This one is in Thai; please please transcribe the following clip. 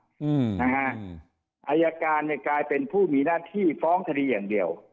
อืมนะฮะอายการเนี่ยกลายเป็นผู้มีหน้าที่ฟ้องคดีอย่างเดียว